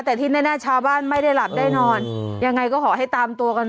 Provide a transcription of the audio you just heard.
แต่ที่แน่ชาวบ้านไม่ได้หลับได้นอนยังไงก็ขอให้ตามตัวกัน